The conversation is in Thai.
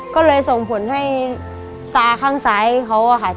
ก็เลยส่งผลให้ตาข้างซ้ายเขาอะค่ะ